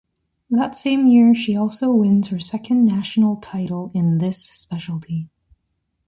That same year, she also wins her second national title in this specialty.